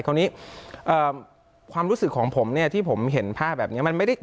คราวนี้ความรู้สึกของผมที่ผมเห็นภาพแบบนี้